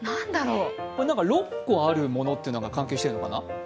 ６個あるものというのが関係してるのかな？